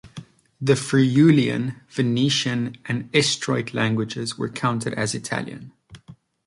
The Friulian, Venetian and Istriot languages were counted as Italian.